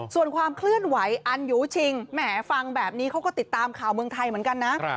ส่วนความเคลื่อนไหวอันยูชิงแหมฟังแบบนี้เขาก็ติดตามข่าวเมืองไทยเหมือนกันนะ